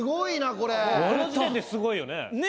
この時点ですごいよね。